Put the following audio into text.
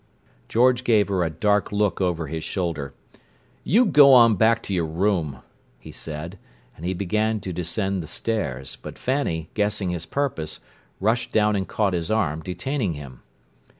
George gave her a dark look over his shoulder. "You go on back to your room!" he said; and he began to descend the stairs; but Fanny, guessing his purpose, rushed down and caught his arm, detaining him.